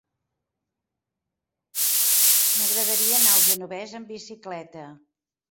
M'agradaria anar al Genovés amb bicicleta.